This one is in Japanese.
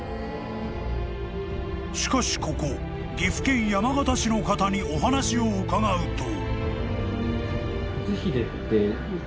［しかしここ岐阜県山県市の方にお話を伺うと］